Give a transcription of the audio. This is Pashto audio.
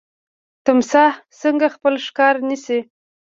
تمساح څنګه خپل ښکار نیسي؟